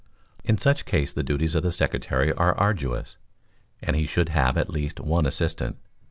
In such case the duties of the secretary are arduous, and he should have at least one assistant.